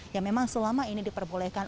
yang memang selama ini diperbolehkan